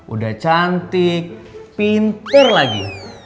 udah cantik pinter lagi